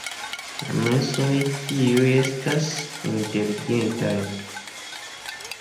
La mensoj kiuj estas inteligentaj.